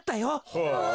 ほう。